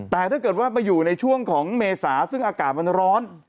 แต่ถ้าเกิดว่ามาอยู่ในช่วงของเมษาซึ่งอากาศมันร้อน